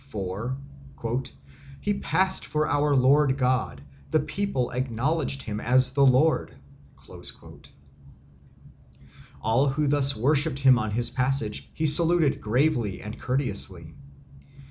For "he passed for our Lord God; the people acknowledged him as the Lord." All who thus worshipped him on his passage he saluted gravely and courteously.